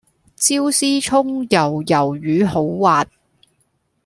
椒絲蔥油魷魚好滑